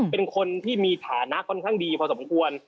เป็นคนที่มีฐานะค่อนข้างดีพอสมควร